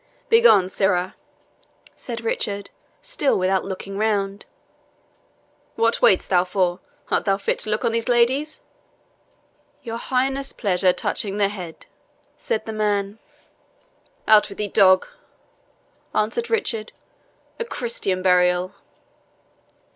"Begone, sirrah," said Richard, still without looking round, "What wait'st thou for? art thou fit to look on these ladies?" "Your Highness's pleasure touching the head," said the man. "Out with thee, dog!" answered Richard "a Christian burial!"